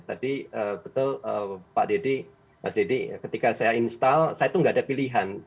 tadi betul pak deddy mas deddy ketika saya install saya itu tidak ada pilihan